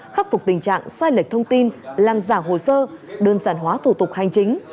khắc phục tình trạng sai lệch thông tin làm giả hồ sơ đơn giản hóa thủ tục hành chính